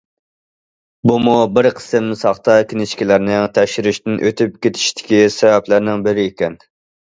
بۇمۇ بىر قىسىم ساختا كىنىشكىلارنىڭ تەكشۈرۈشتىن ئۆتۈپ كېتىشىدىكى سەۋەبلەرنىڭ بىرى ئىكەن.